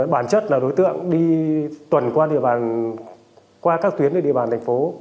bản chất là đối tượng đi tuần qua các tuyến địa bàn thành phố